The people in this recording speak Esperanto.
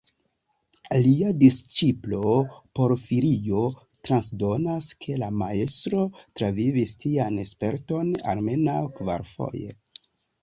Lia disĉiplo Porfirio transdonas ke la majstro travivis tian sperton almenaŭ kvarfoje.